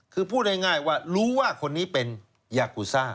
คือพูดง่ายว่ารู้ว่าคนนี้เป็นยากูซ่า